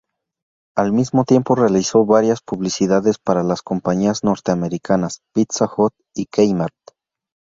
Al mismo tiempo realizó varias publicidades para las compañías norteamericanas Pizza Hut y K-mart.